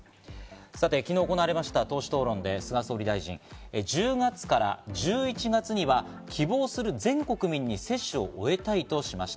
さて昨日行われました党首討論で菅総理大臣、１０月から１１月には希望する全国民に接種を終えたいとしました。